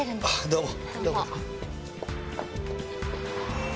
どうも。